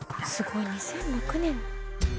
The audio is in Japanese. すごい２００６年。